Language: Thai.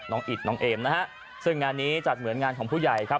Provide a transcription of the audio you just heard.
อิตน้องเอมนะฮะซึ่งงานนี้จัดเหมือนงานของผู้ใหญ่ครับ